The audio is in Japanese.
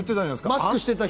マスクしてた人。